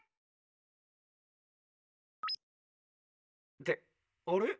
「ってあれ？